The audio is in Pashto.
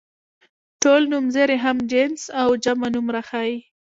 ټول نومځري هم جنس او جمع نوم راښيي.